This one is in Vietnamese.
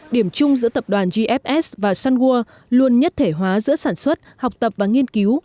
điểm chung giữa tập đoàn gfs và sunwood luôn nhất thể hóa giữa sản xuất học tập và nghiên cứu